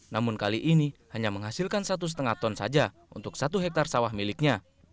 namun kali ini hanya menghasilkan satu lima ton saja untuk satu hektare sawah miliknya